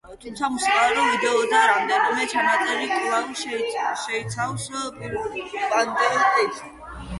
თუმცა, მუსიკალური ვიდეო და რამდენიმე ჩანაწერი კვლავ შეიცავს პირვანდელ ტექსტს.